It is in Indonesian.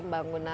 ini sudah dikira